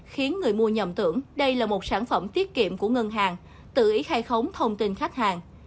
khiến người mua nhầm tưởng đây là một sản phẩm tiết kiệm của ngân hàng tự ý khai khống thông tin khách hàng